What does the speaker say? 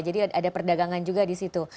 jadi ada perdagangan juga di situ